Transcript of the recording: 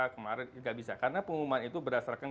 kemarin juga bisa karena pengumuman itu berdasarkan